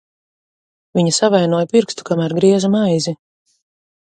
She hurt her finger while she was cutting some bread.